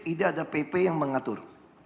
ida ada pp yang mengatur